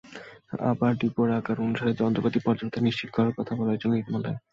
আবার ডিপোর আকার অনুযায়ী যন্ত্রপাতির পর্যাপ্ততাও নিশ্চিত করার কথা বলা হয়েছে নীতিমালায়।